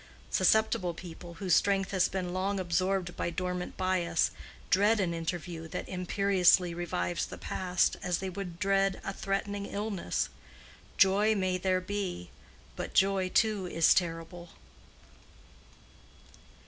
Susceptible people, whose strength has been long absorbed by dormant bias, dread an interview that imperiously revives the past, as they would dread a threatening illness. Joy may be there, but joy, too, is terrible.